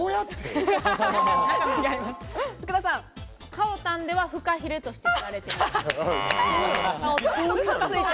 かおたんではフカヒレとして売られている。